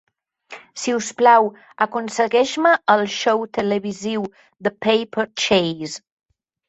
Si us plau, aconsegueix-me el xou televisiu The Paper Chase.